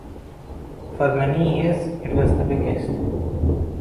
For many years it was the biggest.